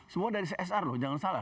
semua dari csr loh jangan salah